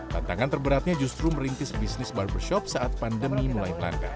tantangan terberatnya justru merintis bisnis barbershop saat pandemi mulai melanda